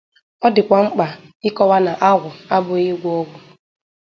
Ọ dịkwa mkpa ịkọwa na agwụ abụghị ịgwọ ọgwụ